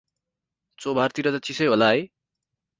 चोभार तिर त चिसै होला है।